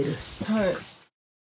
はい。